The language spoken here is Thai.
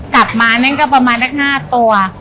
กลับมานั่นก็ประมาณสัก๕ตัว